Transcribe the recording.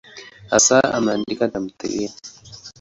Hasa ameandika tamthiliya.